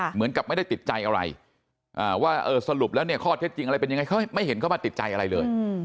เหมือนกับไม่ได้ติดใจอะไรว่าเออสรุปแล้วเนี่ยข้อเท็จจริงอะไรเป็นยังไงเขาไม่เห็นเขามาติดใจอะไรเลย